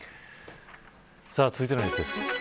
続いてのニュースです。